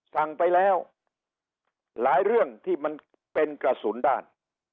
สั่งไปแล้วหลายเรื่องที่มันเป็นกระสุนด้าน